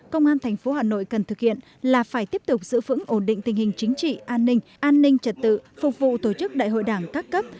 công an thành phố hà nội cần thực hiện là phải tiếp tục giữ vững ổn định tình hình chính trị an ninh an ninh trật tự phục vụ tổ chức đại hội đảng các cấp